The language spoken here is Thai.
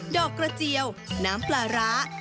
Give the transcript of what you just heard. ดอกกระเจียวน้ำปลาร้า